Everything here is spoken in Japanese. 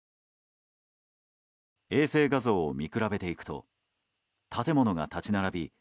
衛星画像と見比べていくと建物が立ち並び